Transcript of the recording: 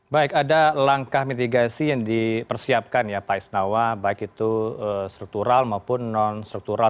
baik ada langkah mitigasi yang dipersiapkan ya pak isnawa baik itu struktural maupun non struktural